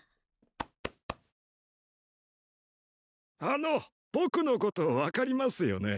あの僕のこと分かりますよね？